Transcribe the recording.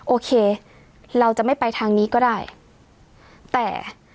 โอเคเราจะไม่ไปทางนี้ก็ได้แต่